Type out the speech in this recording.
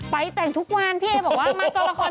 แต่งทุกวันพี่เอบอกว่ามากองละคร